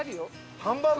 ハンバーグ？